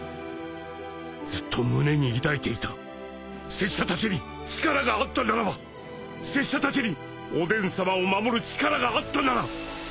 拙者たちに力があったならば拙者たちにおでんさまを守る力があったなら